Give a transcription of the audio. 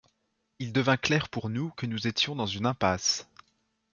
Il devint clair pour nous que nous étions dans une impasse.